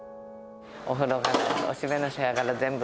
お風呂からおしめの世話から全部。